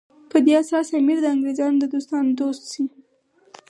په دې اساس امیر د انګریزانو د دوستانو دوست شي.